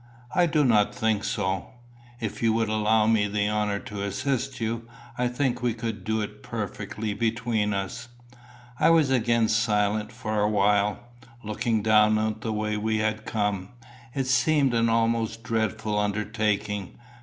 "I do not think so if you would allow me the honour to assist you. I think we could do it perfectly between us." I was again silent for a while. Looking down on the way we had come, it seemed an almost dreadful undertaking.